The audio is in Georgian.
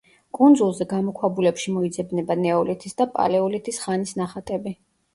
კუნძულზე გამოქვაბულებში მოიძებნება ნეოლითის და პალეოლითის ხანის ნახატები.